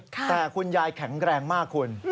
แต่คุณยายแข็งแรงมากคุณ